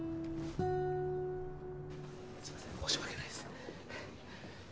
すいません申し訳ないです。